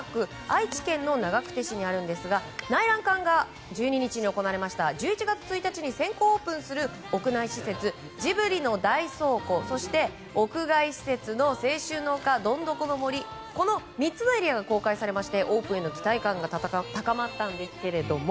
愛知県の長久手市にあるんですが内覧会が１２日に行われて１２月１日に先行オープンする屋内施設ジブリの大倉庫そして屋外施設の青春の丘どんどこ森、この３つのエリアが公開されてオープンへの期待感が高まったんですが。